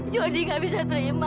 jody gak bisa terima